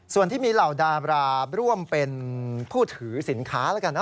ส่วนที่มีเหล่าดาบราร่วมเป็นผู้ถือสินค้าแล้วกันนะ